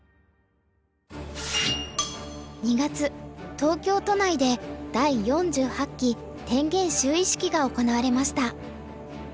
２月東京都内で第４８期天元就位式が行われました。